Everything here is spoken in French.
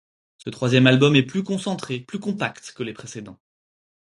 Ce troisième album est plus concentré, plus compact que les précédents.